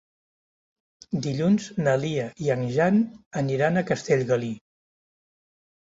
Dilluns na Lia i en Jan aniran a Castellgalí.